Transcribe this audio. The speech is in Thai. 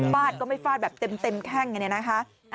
บาดก็ไม่ฟาดแบบเต็มแข้งอย่างนี้นะคะ